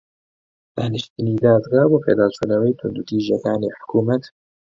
دانیشتنی دادگا بۆ پێداچوونەوەی توندوتیژییەکانی حکوومەت